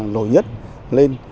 lồi nhất lên